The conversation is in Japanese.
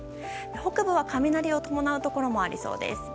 北部は雷を伴うところもありそうです。